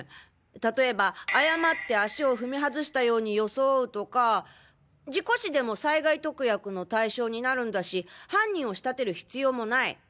たとえば誤って足を踏み外したように装うとか事故死でも災害特約の対象になるんだし犯人を仕立てる必要もない。